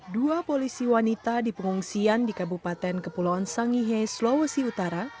dua polisi wanita di pengungsian di kabupaten kepulauan sangihe sulawesi utara